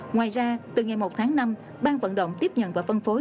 ngoài ra từ ngày một tháng năm ban vận động tiếp nhận và phân phối